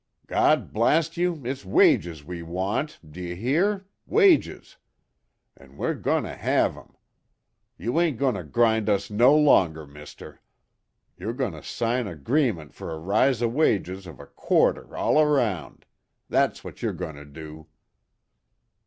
"God blast you, it's wages we want d'ye hear wages! An' we're goin' to have 'em! You ain't goin' to grind us no longer, mister! You're goin' to sign a 'greement fer a rise o' wages of a quarter all round. That's wot you're goin' to do!"